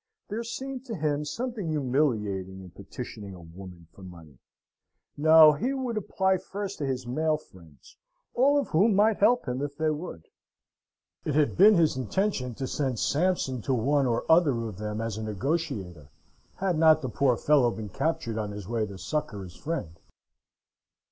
There seemed to him something humiliating in petitioning a woman for money. No! He would apply first to his male friends, all of whom might help him if they would. It had been his intention to send Sampson to one or other of them as a negotiator, had not the poor fellow been captured on his way to succour his friend.